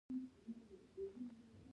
د فعل له لوست څخه مو څه ګټه تر لاسه کړه.